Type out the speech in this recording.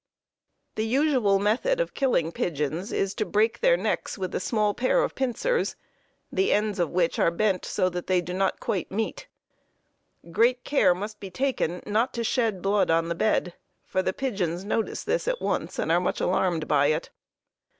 The usual method of killing pigeons is to break their necks with a small pair of pincers, the ends of which are bent so that they do not quite meet. Great care must be taken not to shed blood on the bed, for the pigeons notice this at once and are much alarmed by it.